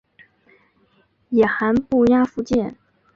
野寒布岬附近。